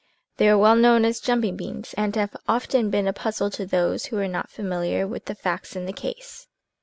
They are well known as "jumping beans" and have often been a puzzle to those who were not familiar with the facts in the case.